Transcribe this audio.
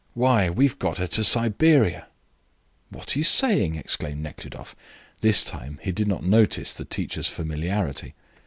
"Why, we've got her to Siberia." "What are you saying?" exclaimed Nekhludoff. This time he did not notice the teacher's familiarity.